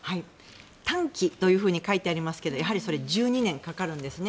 短期というふうに書いてありますけどやはりそれ１２年かかるんですね。